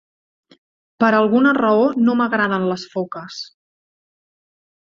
Per alguna raó no m'agraden les foques.